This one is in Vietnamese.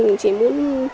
em cũng chỉ muốn